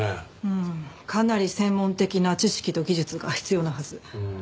うんかなり専門的な知識と技術が必要なはず。